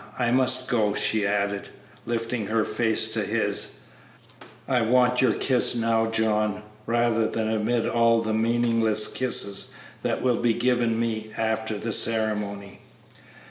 I must go," she added, lifting her face to his; "I want your kiss now, John, rather than amid all the meaningless kisses that will be given me after the ceremony."